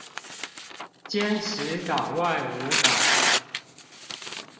堅持黨外無黨